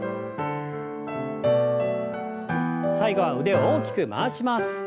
最後は腕を大きく回します。